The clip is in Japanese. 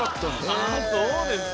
あそうですか。